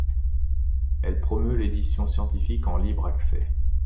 Elle promeut l'édition scientifique en libre accès.